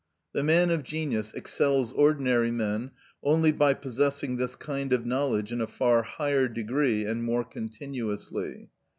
The man of genius excels ordinary men only by possessing this kind of knowledge in a far higher degree and more continuously.